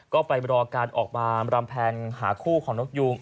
ก็ไปรอการออกมารำแพนหาคู่ของนกยูง